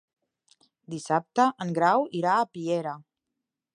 Dissabte en Grau irà a Piera.